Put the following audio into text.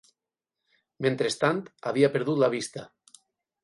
Mentrestant, havia perdut la vista.